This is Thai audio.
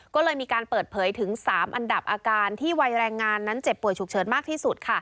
ก็เลยมีการเปิดเผยถึง๓อันดับอาการที่วัยแรงงานนั้นเจ็บป่วยฉุกเฉินมากที่สุด